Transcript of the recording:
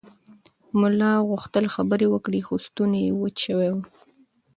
ملا غوښتل خبرې وکړي خو ستونی یې وچ شوی و.